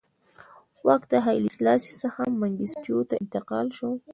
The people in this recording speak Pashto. واک له هایلي سلاسي څخه منګیسټیو ته انتقال شو.